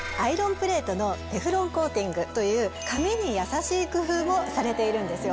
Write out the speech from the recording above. プレートのテフロンコーティングという髪に優しい工夫もされているんですよ。